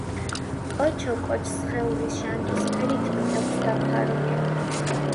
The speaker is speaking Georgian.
ოჩოკოჩს სხეული ჟანგისფერი თმით აქვს დაფარული.